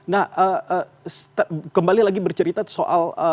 nah kembali lagi bercerita soal